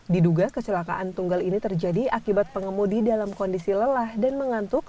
diduga kecelakaan tunggal ini terjadi akibat pengemudi dalam kondisi lelah dan mengantuk